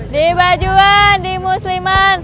di bajuan di musliman